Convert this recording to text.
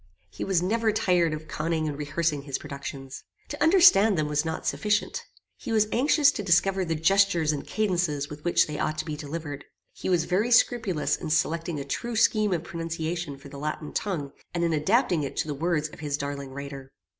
He was never tired of conning and rehearsing his productions. To understand them was not sufficient. He was anxious to discover the gestures and cadences with which they ought to be delivered. He was very scrupulous in selecting a true scheme of pronunciation for the Latin tongue, and in adapting it to the words of his darling writer.